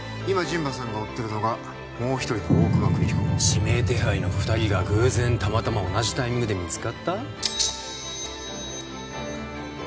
今陣馬さんが追ってるのがもう一人の大熊邦彦指名手配の二人が偶然たまたま同じタイミングで見つかった？